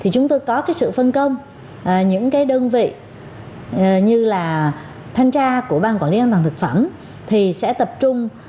chúng tôi có sự phân công những đơn vị như là thanh tra của ban quản lý an toàn thực phẩm thì sẽ tập trung